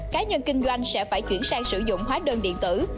cá nhân kinh doanh sẽ phải chuyển sang sử dụng hóa đơn điện tử